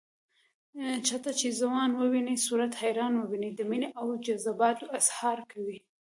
چټه چې ځوان وويني صورت حیران وويني د مینې او جذباتو اظهار کوي